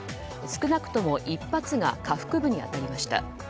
少なくとも１発が下腹部に当たりました。